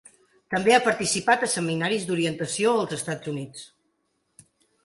També ha participat a seminaris d'orientació als Estats Units.